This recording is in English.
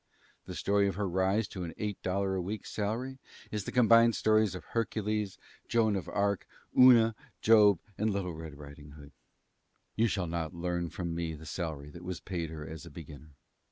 The story of her rise to an eight dollar a week salary is the combined stories of Hercules, Joan of Arc, Una, Job, and Little Red Riding Hood. You shall not learn from me the salary that was paid her as a beginner.